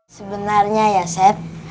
sebenarnya ya seth